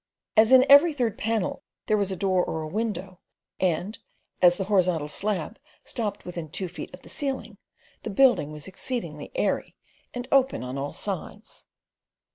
As in every third panel there was a door or a window, and as the horizontal slabs stopped within two feet of the ceiling, the building was exceedingly airy, and open on all sides.